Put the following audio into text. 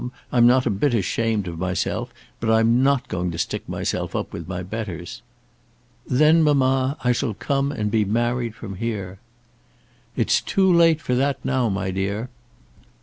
I'm not a bit ashamed of myself, but I'm not going to stick myself up with my betters." "Then mamma, I shall come and be married from here." "It's too late for that now, my dear."